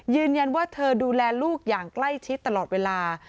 ยืนยันว่าเธอดูแลลูกอย่างใกล้ชิดตลอดเวลา